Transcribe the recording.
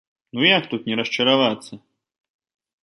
Ну як тут не расчаравацца?